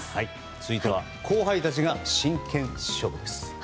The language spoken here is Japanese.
続いては後輩たちが真剣勝負です。